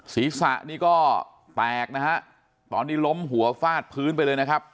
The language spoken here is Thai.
ศีรษะนี่ก็แตกนะฮะตอนนี้ล้มหัวฟาดพื้นไปเลยนะครับ